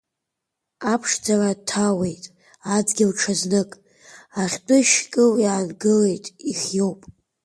Аԥшӡара аҭаауеит адгьыл ҽазнык, ахьтәы шькыл иангылеит, ихиоуп.